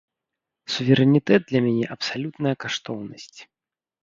Суверэнітэт для мяне абсалютная каштоўнасць.